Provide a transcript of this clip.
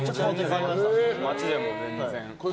街でも、全然。